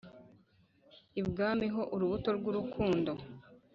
Ibwami ho Urubuto rwurukundo